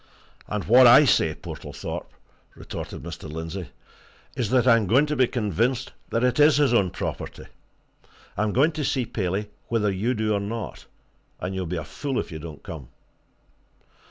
"And what I say, Portlethorpe," retorted Mr. Lindsey, "is that I'm going to be convinced that it is his own property! I'm going to see Paley whether you do or not and you'll be a fool if you don't come."